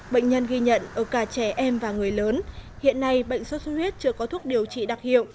bệnh nhân ghi nhận ở cả trẻ em và người lớn hiện nay bệnh sốt xuất huyết chưa có thuốc điều trị đặc hiệu